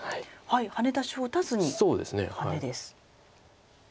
ハネ出しを打たずにハネです。